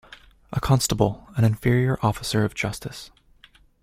A constable an inferior officer of justice.